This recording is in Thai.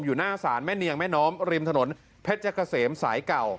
หน้าศาลแม่เนียงแม่น้อมริมถนนเพชรเกษมสายเก่า